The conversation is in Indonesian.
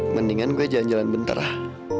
mendingan gue jalan jalan bentar ah